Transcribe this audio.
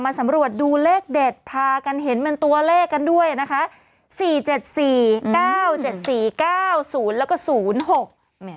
มาสำรวจดูเลขเด็ดพากันเห็นมันตัวเลขกันด้วยนะคะ